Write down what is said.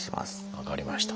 分かりました。